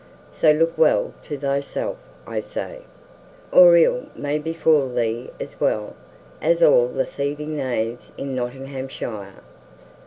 So look well to thyself, I say, or ill may befall thee as well as all the thieving knaves in Nottinghamshire.